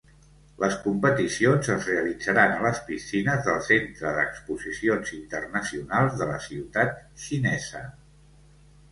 Les competicions es realitzaran a les piscines del Centre d'Exposicions Internacionals de la ciutat xinesa.